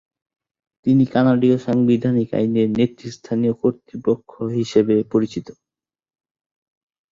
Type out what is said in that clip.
তিনি কানাডীয় সাংবিধানিক আইনের নেতৃস্থানীয় কর্তৃপক্ষ হিসেবে পরিচিত।